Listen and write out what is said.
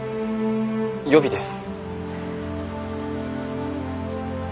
予備です。